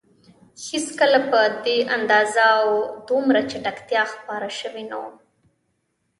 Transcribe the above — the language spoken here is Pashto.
هېڅکله په دې اندازه او دومره چټکتیا خپاره شوي نه وو.